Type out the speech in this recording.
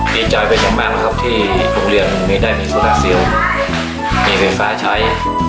ดีใจเป็นอย่างแบบที่โรงเรียนไม่ได้มีธุระเซลล์มีไฟฟ้าใช้